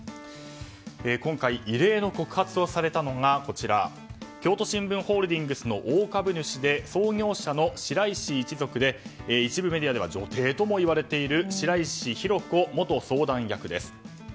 今回、異例の告発をされたのが京都新聞ホールディングスの大株主で創業者の白石一族で一部メディアでは女帝とも言われている白石浩子元相談役です。